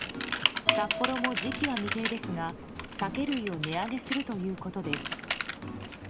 サッポロも時期は未定ですが酒類を値上げするということです。